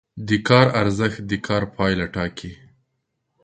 د کار ارزښت د کار پایله ټاکي.